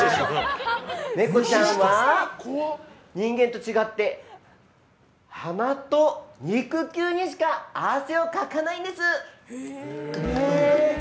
ネコちゃんは人間と違って鼻と肉球にしか汗をかかないんです。